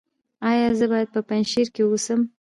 ایا زه باید په پنجشیر کې اوسم؟